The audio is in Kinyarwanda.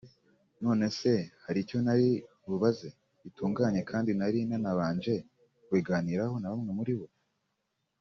None se hari icyo nari bubaze gitunguranye kandi nari nanabanje kubiganiraho na bamwe muribo